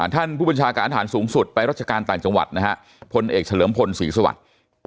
ท่านผู้บัญชาการฐานสูงสุดไปรัชการต่างจังหวัดนะฮะพลเอกเฉลิมพลศรีสวัสดิ์